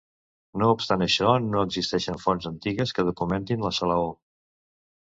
No obstant això, no existeixen fonts antigues que documentin la salaó.